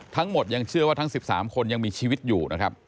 ยังเชื่อว่าทั้ง๑๓คนยังมีชีวิตอยู่นะครับ